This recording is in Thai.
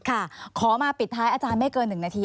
ค่ะขอมาปิดท้ายอาจารย์ไม่เกินหนึ่งนาที